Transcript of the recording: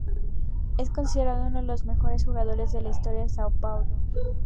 Es considerado uno de los mejores jugadores de la historia del São Paulo.